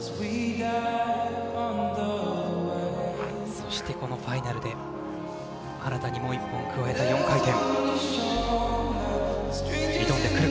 そしてこのファイナルで新たにもう１本加える４回転。